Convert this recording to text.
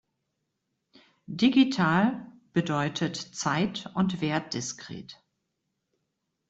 Digital bedeutet zeit- und wertdiskret.